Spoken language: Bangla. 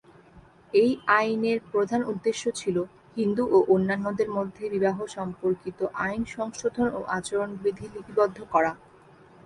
এই আইনের প্রধান উদ্দেশ্য ছিল হিন্দু ও অন্যান্যদের মধ্যে বিবাহ সম্পর্কিত আইন সংশোধন ও আচরণ বিধি লিপিবদ্ধ করা।